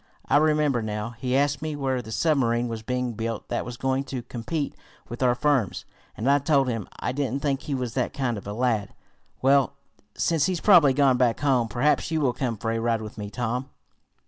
I remember now he asked me where the submarine was being built that was going to compete with our firm's, and I told him. I didn't think he was that kind of a lad. Well, since he's probably gone back home, perhaps you will come for a ride with me, Tom."